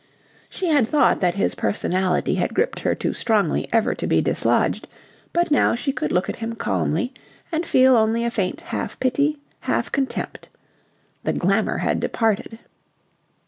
She had thought that his personality had gripped her too strongly ever to be dislodged, but now she could look at him calmly and feel only a faint half pity, half contempt. The glamour had departed.